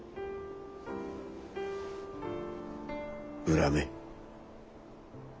恨め。